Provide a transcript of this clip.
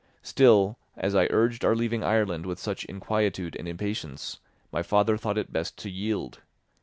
Still, as I urged our leaving Ireland with such inquietude and impatience, my father thought it best to yield.